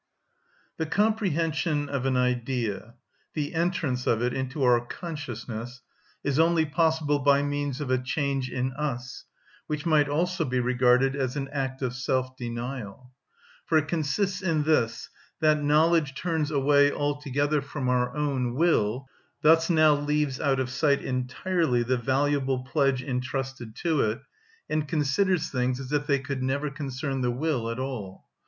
The comprehension of an Idea, the entrance of it into our consciousness, is only possible by means of a change in us, which might also be regarded as an act of self‐denial; for it consists in this, that knowledge turns away altogether from our own will, thus now leaves out of sight entirely the valuable pledge intrusted to it, and considers things as if they could never concern the will at all.